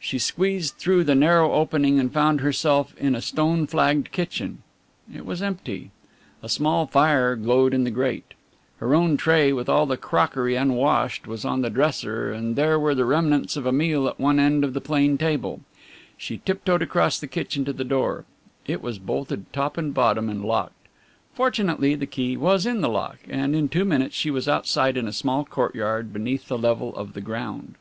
She squeezed through the narrow opening and found herself in a stone flagged kitchen. It was empty. A small fire glowed in the grate. Her own tray with all the crockery unwashed was on the dresser, and there were the remnants of a meal at one end of the plain table. She tiptoed across the kitchen to the door. It was bolted top and bottom and locked. Fortunately the key was in the lock, and in two minutes she was outside in a small courtyard beneath the level of the ground.